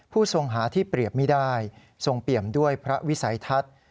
ทรงหาที่เปรียบไม่ได้ทรงเปี่ยมด้วยพระวิสัยทัศน์